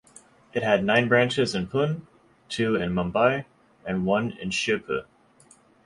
It had nine branches in Pune, two in Mumbai and one in Shirpur.